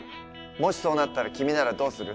もしそうなったら君ならどうする？